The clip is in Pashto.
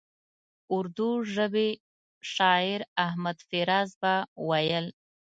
اردو ژبي شاعر احمد فراز به ویل.